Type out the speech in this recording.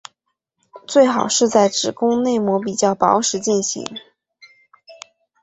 最好是在子宫内膜较薄时进行。